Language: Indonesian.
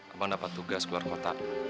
abang dapat tugas keluar kota